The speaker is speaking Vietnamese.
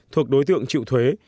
thuộc đối tượng trịu thuế